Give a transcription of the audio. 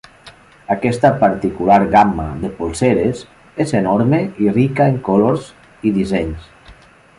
Aquesta particular gamma de polseres és enorme i rica en colors i dissenys.